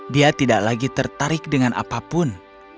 dia tidak lagi tertarik dengan apapun